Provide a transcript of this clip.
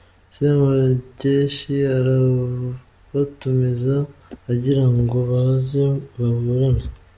" Semugeshi arabatumiza agira ngo baze baburane.